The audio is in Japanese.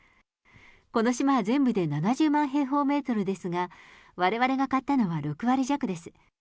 この島は全部で７０万平方メートルですが、われわれが買ったのは６割弱です。